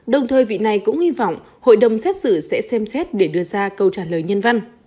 đồng thời vị này cũng hy vọng hội đồng xét xử sẽ xem xét để đưa ra câu trả lời nhân văn